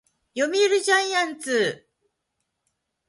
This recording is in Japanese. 読売ジャイアンツ